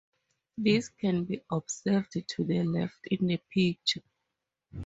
This can be observed to the left in the picture.